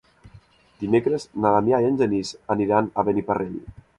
Dimecres na Damià i en Genís aniran a Beniparrell.